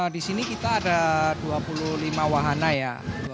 di sini kita ada dua puluh lima wahana ya